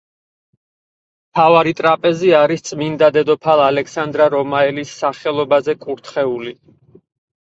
მთავარი ტრაპეზი არის წმინდა დედოფალ ალექსანდრა რომაელის სახელობაზე კურთხეული.